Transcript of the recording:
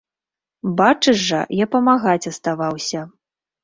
Бачыш жа, я памагаць аставаўся.